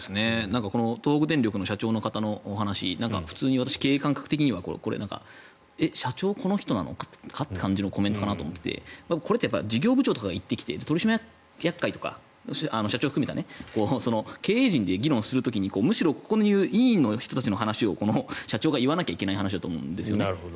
東北電力の社長の方のお話普通に私、経営感覚的には社長、この人なのか？というコメントかなと思っていてこれって事業部長とかが言ってきて社長を含めた取締役会とか経営陣で議論する時に議員の人たちの話を社長が言わなきゃいけない話だと思うんです。